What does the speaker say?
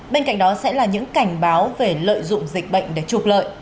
bên cạnh đó sẽ là những cảnh báo về lợi dụng dịch bệnh để trục lợi